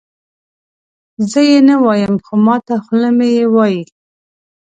زه یې نه وایم خو ماته خوله مې یې وایي.